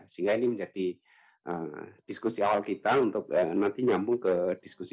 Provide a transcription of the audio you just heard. sehingga ini menjadi diskusi awal kita untuk nanti nyambung ke diskusi